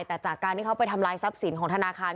แต่จากการที่เขาไปทำลายทรัพย์สินของธนาคาร